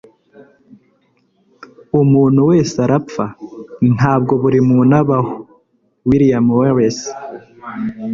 umuntu wese arapfa. ntabwo buri muntu abaho. - william wallace